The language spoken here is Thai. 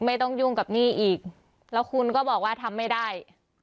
ไม่ต้องยุ่งกับหนี้อีกแล้วคุณก็บอกว่าทำไม่ได้